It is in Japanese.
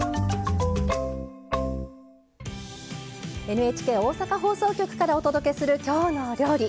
ＮＨＫ大阪放送局からお届けする「きょうの料理」。